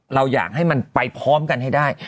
เราอยากให้มันไปพร้อมกันให้ได้